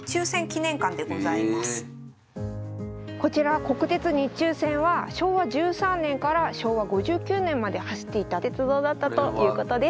こちら国鉄日中線は昭和１３年から昭和５９年まで走っていた鉄道だったということです。